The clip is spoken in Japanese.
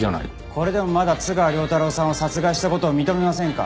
これでもまだ津川亮太郎さんを殺害した事を認めませんか？